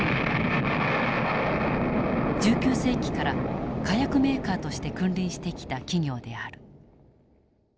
１９世紀から火薬メーカーとして君臨してきた企業である。